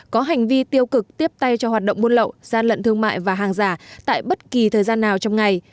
có hành vi tiêu cực tiếp tay cho hoạt động buôn lậu gian lận thương mại và hàng giả tại bất kỳ thời gian nào trong ngày